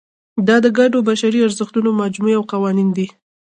دا د ګډو بشري ارزښتونو مجموعې او قوانین دي.